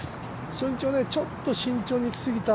初日はちょっと慎重にいきすぎた